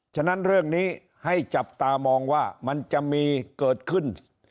ฉะนั้นเรื่องนี้ให้จับตามองว่ามันจะมีเกิดขึ้น